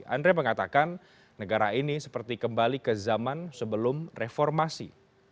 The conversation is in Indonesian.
andre mengatakan negara ini seperti kembali ke zaman sebelum reformasi